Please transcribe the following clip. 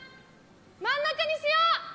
真ん中にしよう。